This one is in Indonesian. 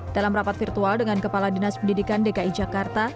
dalam rapat virtual dengan kepala dinas pendidikan dki jakarta